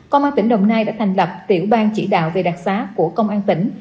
công an tỉnh đồng nai đã thành lập tiểu bang chỉ đạo về đặc sá của công an tỉnh